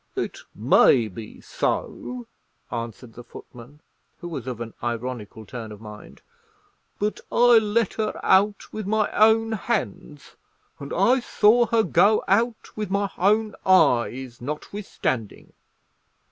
"It may be so," answered the footman, who was of an ironical turn of mind; "but I let her out with my own hands, and I saw her go out with my own eyes, notwithstanding."